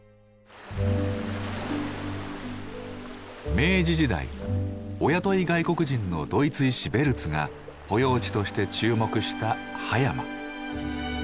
明治時代お雇い外国人のドイツ医師ベルツが保養地として注目した葉山。